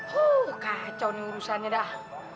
huh kacau nih urusannya dah